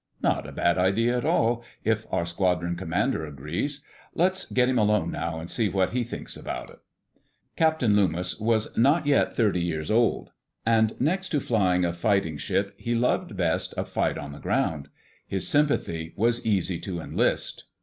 Not a bad idea at all—if our squadron commander agrees. Let's get him alone now and see what he thinks about it." Captain Loomis was not yet thirty years old, and next to flying a fighting ship he loved best a fight on the ground. His sympathy was easy to enlist.